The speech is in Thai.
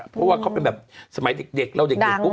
เพราะว่าเขาเป็นแบบสมัยเด็กเราเด็กปุ๊